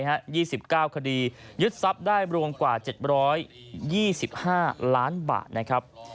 ฮะยี่สิบเก้าคดียึดทรัพย์ได้รวมกว่าเจ็ดร้อยยี่สิบห้าล้านบาทนะครับ